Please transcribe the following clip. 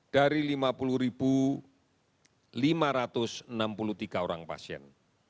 dari lima puluh lima ratus enam puluh tiga orang pasien